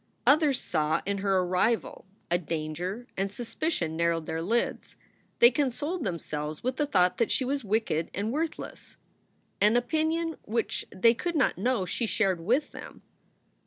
Others saw in her a rival, a danger; and suspicion narrowed their lids. They consoled themselves with the thought that she was wicked and worthless an opinion which they could not know she shared with them.